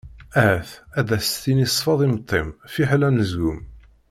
Ahat! ad as-tini sfeḍ imeṭṭi-m fiḥel anezgum.